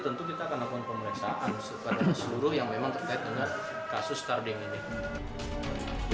tentu kita akan lakukan pemeriksaan kepada seluruh yang memang terkait dengan kasus starding ini